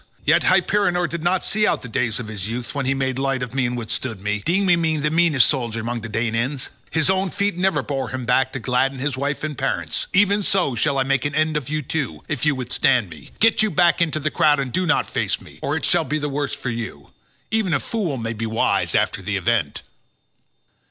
Yet Hyperenor did not see out the days of his youth when he made light of me and withstood me, deeming me the meanest soldier among the Danaans. His own feet never bore him back to gladden his wife and parents. Even so shall I make an end of you too, if you withstand me; get you back into the crowd and do not face me, or it shall be worse for you. Even a fool may be wise after the event."